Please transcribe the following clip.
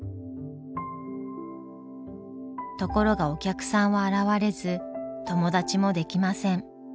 ところがお客さんは現れず友達もできません。